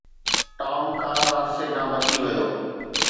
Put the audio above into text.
Tom car حادثي کان بچي ويو.